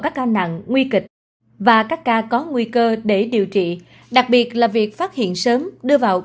các ca nặng nguy kịch và các ca có nguy cơ để điều trị đặc biệt là việc phát hiện sớm đưa vào